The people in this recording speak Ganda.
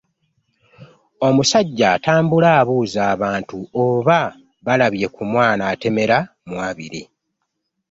Omusajja atambula abuuza abantu oba baalabye ku mwana atemera mu abiri.